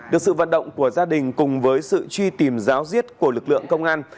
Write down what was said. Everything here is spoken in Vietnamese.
được sự vận động của gia đình cùng với sự truy tìm giáo diết của lực lượng công an